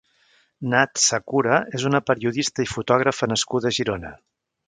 Nath-Sakura és una periodista i fotògrafa nascuda a Girona.